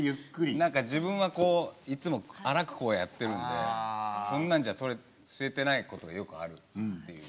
何か自分はこういつも荒くこうやってるんでそんなんじゃ吸えてないことがよくあるっていう。